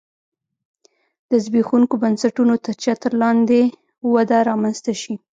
د زبېښونکو بنسټونو تر چتر لاندې وده رامنځته شي